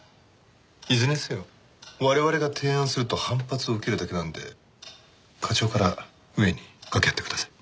いずれにせよ我々が提案すると反発を受けるだけなんで課長から上に掛け合ってください。